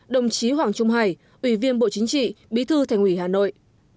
một mươi năm đồng chí hoàng trung hải ủy viên bộ chính trị bí thư thành ủy hà nội